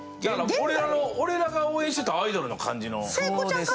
俺らが応援していたアイドルの感じの。